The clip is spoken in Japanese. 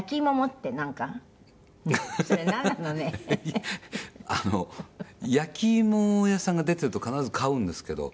谷村：焼き芋屋さんが出てると必ず買うんですけど